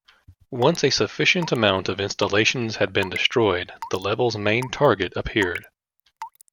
Once a sufficient amount of installations had been destroyed the level's main target appeared.